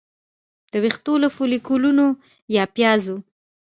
د ویښتو له فولیکونو یا پیازو